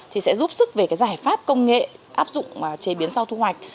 thì sẽ giúp sức về cái giải pháp công nghệ áp dụng chế biến sau thu hoạch